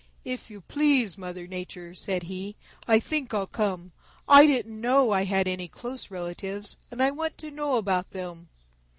"If you please, Mother Nature," said he, "I think I'll come. I didn't know I had any close relatives, and I want to know about them."